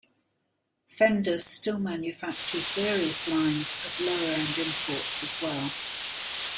Fender still manufactures various lines of lower-end imports, as well.